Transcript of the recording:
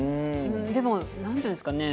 でも何ていうんですかね